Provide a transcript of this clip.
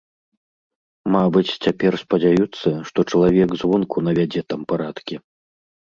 Мабыць, цяпер спадзяюцца, што чалавек звонку навядзе там парадкі.